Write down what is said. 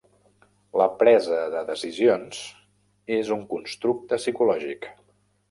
La presa de decisions és un constructe psicològic.